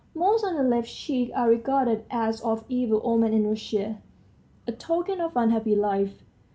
Moles on the left cheek are regarded as of evil omen in Russia a token of unhappy life.